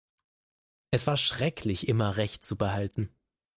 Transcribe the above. Es war schrecklich, immer Recht zu behalten.